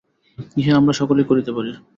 ইহা আমরা সকলেই করিতে পারি।